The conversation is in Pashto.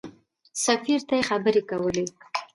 سفیر ته خبرې کولې.